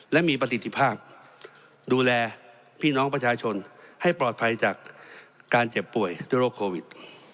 และมีประสิทธิภาพดูแลพี่น้องประชาชนให้ปลอดภัยจากการเจ็บป่วยด้วยโรคโควิด